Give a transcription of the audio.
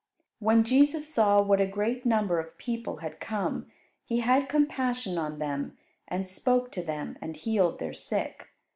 When Jesus saw what a great number of people had come, He had compassion on them, and spoke to them, and healed their sick.